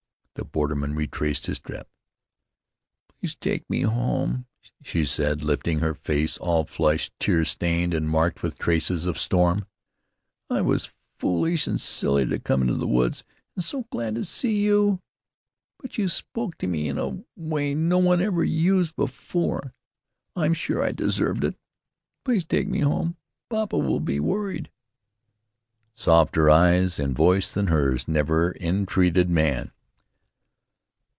The borderman retraced his steps. "Please take me home," she said, lifting a fair face all flushed, tear stained, and marked with traces of storm. "I was foolish, and silly to come into the woods, and so glad to see you! But you spoke to me in in a way no one ever used before. I'm sure I deserved it. Please take me home. Papa will be worried." Softer eyes and voice than hers never entreated man.